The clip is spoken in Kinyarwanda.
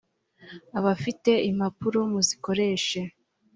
abafite impapuro muzikoreshe.